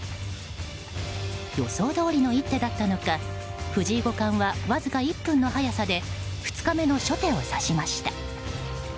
予想通りの一手だったのか藤井五冠はわずか１分の早さで２日目の初手を差しました。